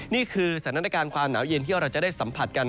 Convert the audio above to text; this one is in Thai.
นี่คือสถานการณ์ความหนาวเย็นที่เราจะได้สัมผัสกัน